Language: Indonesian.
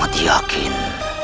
baik gusti amokmarung